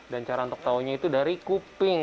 dan cara untuk tahunya itu dari kuping